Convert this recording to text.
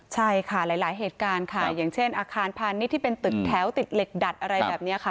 ใช่ค่ะหลายเหตุการณ์ค่ะอย่างเช่นอาคารพาณิชย์ที่เป็นตึกแถวติดเหล็กดัดอะไรแบบนี้ค่ะ